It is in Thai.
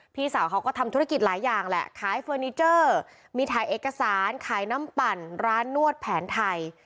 พี่สาวเขาก็ทำธุรกิจหลายอย่างแหละขายเฟอร์นิเจอร์มีถ่ายเอกสารขายน้ำปั่นร้านนวดแผนไทย